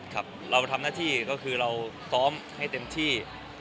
ครับเราทำหน้าที่ก็คือเราซ้อมให้เต็มที่